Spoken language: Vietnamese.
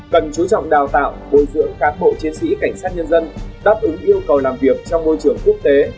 cần chú trọng đào tạo bồi dưỡng cán bộ chiến sĩ cảnh sát nhân dân đáp ứng yêu cầu làm việc trong môi trường quốc tế